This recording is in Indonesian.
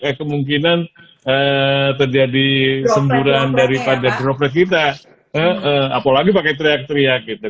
banyak kemungkinan terjadi semburan dari pada droplet kita apalagi pakai teriak teriak gitu